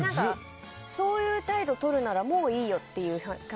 そういう態度をとるならもういいよっていう感じで。